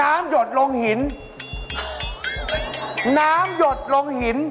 หยดลงหินน้ำหยดลงหิน